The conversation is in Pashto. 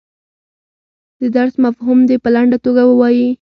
د درس مفهوم دې په لنډه توګه ووایي.